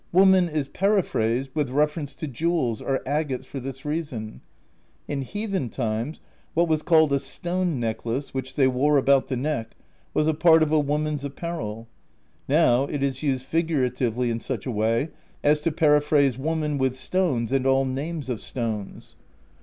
Woman is peri phrased with reference to jewels or agates for this reason : in heathen times what was called a 'stone necklace/ which they wore about the neck, was a part of a woman's apparel; now it is used figuratively in such a way as to periphrase woman with stones and all names of stones.